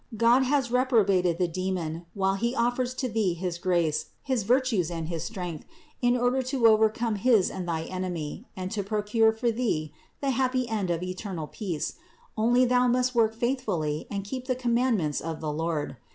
God has reprobated the demon, while He offers to thee his grace, his virtues and his strength in order to overcome his and thy enemy and to procure for thee the happy end of eternal peace; only thou must work faithfully and keep the commandments of the Lord.